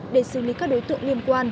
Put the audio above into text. để xử lý các đối tượng liên quan